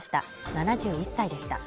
７１歳でした。